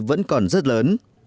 vẫn còn rất lớn